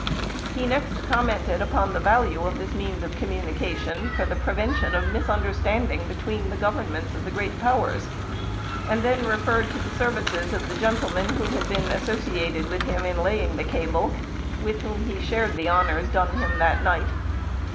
He next commented upon the value of this means of communication for the prevention of misunderstanding between the Governments of the great powers, and then referred to the services of the gentlemen who had been associated with him in laying the cable, with whom he shared the honors done him that night.